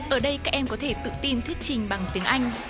ở đây các em có thể tự tin thuyết trình bằng tiếng anh